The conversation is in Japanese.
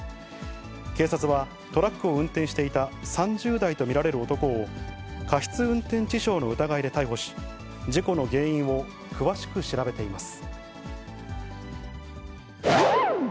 警察は、トラックを運転していた３０代と見られる男を、過失運転致傷の疑いで逮捕し、事故の原因を詳しく調べています。